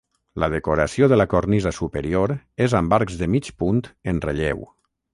La decoració de la cornisa superior és amb arcs de mig punt en relleu.